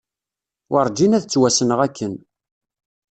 Werǧin ad ttwassneɣ akken.